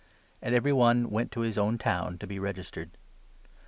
And every one went to his own town to be regis 3 tered.